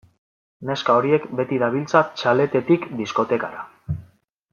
Neska horiek beti dabiltza txaletetik diskotekara.